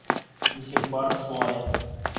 Нисек бар, шулай.